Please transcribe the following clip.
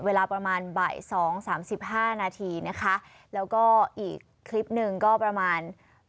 เวลาประมาณบ่ายสองสามสิบห้านาทีนะคะแล้วก็อีกคลิปหนึ่งก็ประมาณ